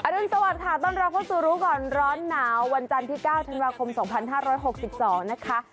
รุนสวัสดิค่ะต้อนรับเข้าสู่รู้ก่อนร้อนหนาววันจันทร์ที่๙ธันวาคม๒๕๖๒นะคะ